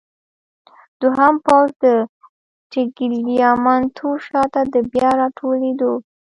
دوهم پوځ د ټګلیامنتو شاته د بیا راټولېدو.